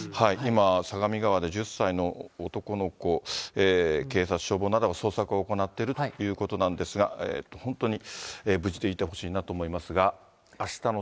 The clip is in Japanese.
今、相模川で１０歳の男の子、警察、消防などが捜索を行っているということなんですが、本当に無事でいてほしいなと思いますが。